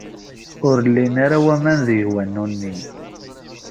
Ur llin ara waman deg wanu-nni.